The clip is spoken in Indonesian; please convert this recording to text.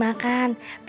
mak cari kue